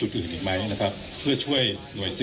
คุณผู้ชมไปฟังผู้ว่ารัฐกาลจังหวัดเชียงรายแถลงตอนนี้ค่ะ